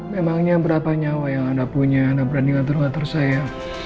memangnya berapa nyawa yang anda punya anda berani ngatur ngatur saya